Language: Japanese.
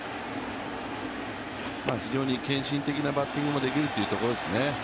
非常に献身的なバッティングもできるというところですね。